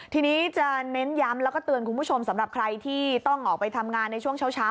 ทีนี้จะเน้นย้ำแล้วก็เตือนคุณผู้ชมสำหรับใครที่ต้องออกไปทำงานในช่วงเช้า